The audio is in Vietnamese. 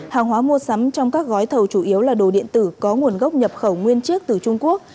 hàng hóa mua sắm trong các gói thầu chủ yếu là đồ điện tử có nguồn gốc nhập khẩu nguyên chiếc từ trung quốc